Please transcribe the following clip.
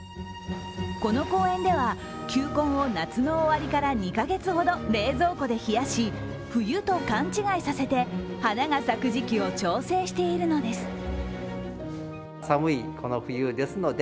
この公園では、球根を夏の終わりから２カ月ほど冷蔵庫で冷やし、冬と勘違いさせて花が咲く時期を調整しているのです。